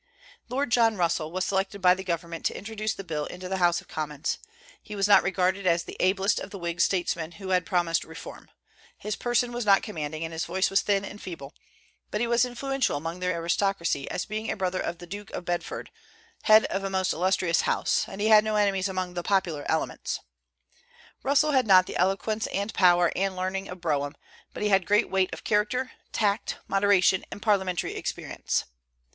Lord John Russell was selected by the government to introduce the bill into the House of Commons. He was not regarded as the ablest of the Whig statesmen who had promised reform. His person was not commanding, and his voice was thin and feeble; but he was influential among the aristocracy as being a brother of the Duke of Bedford, head of a most illustrious house, and he had no enemies among the popular elements. Russell had not the eloquence and power and learning of Brougham; but he had great weight of character, tact, moderation, and parliamentary experience.